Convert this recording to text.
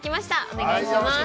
お願いします。